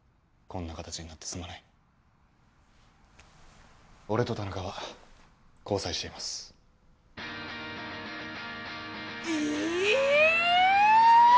こんな形になってすまない俺と田中は交際していますえええええ！！